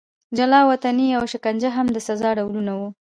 جلا وطني او شکنجه هم د سزا ډولونه وو.